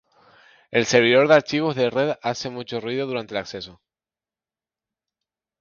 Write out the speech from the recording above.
el servidor de archivos de red hace mucho ruido durante el acceso